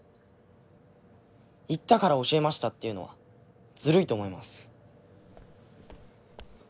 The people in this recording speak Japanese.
言ったから教えましたっていうのはずるいと思います。